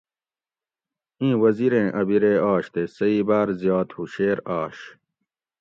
اِیں وزیریں ا بِرے آش تے سہ ای باۤر زیات ہُوشیر آش